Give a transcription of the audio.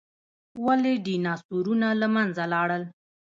ولې ډیناسورونه له منځه لاړل؟